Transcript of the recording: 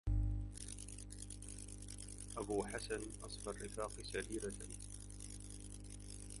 أبو حسن أصفى الرفاق سريرة